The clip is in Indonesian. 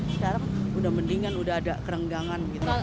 sekarang sudah mendingan sudah ada kerenggangan gitu